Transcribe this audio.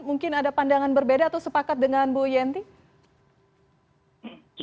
mungkin ada pandangan berbeda atau sepakat dengan bu yenti